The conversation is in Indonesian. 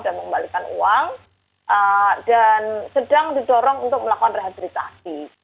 dan sedang didorong untuk melakukan rehabilitasi